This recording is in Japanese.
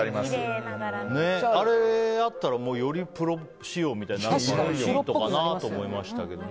あれ、あったらよりプロ仕様みたいになるのでシートかなと思いましたけどね。